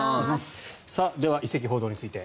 では、移籍報道について。